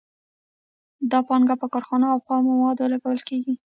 دا پانګه په کارخانو او خامو موادو لګول کېږي